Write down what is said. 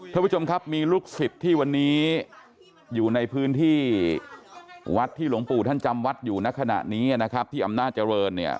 ท่านผู้ชมครับมีลูกศิษย์ที่วันนี้อยู่ในพื้นที่วัดที่หลวงปู่ท่านจำวัดอยู่ในขณะนี้นะครับที่อำนาจเจริญเนี่ย